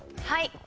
はい。